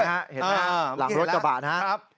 เห็นไหมหลังรถกระบะนะครับ